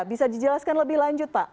bisa dijelaskan lebih lanjut pak